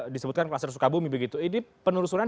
disebutkan kluster sukabumi begitu ini penelusuran